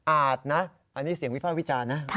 อาจนะอันนี้เสียงวิพากษ์วิจารณ์นะ